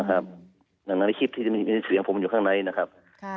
อย่างนั้นในคลิปที่มีเสียงผมอยู่ข้างในนะครับ